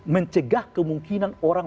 mencegah kemungkinan orang